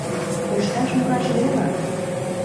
Кушташ-мураш веле.